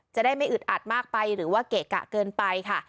จะได้ไม่อึดอัดมากไปหรือว่าเกะกะเกินไปค่ะ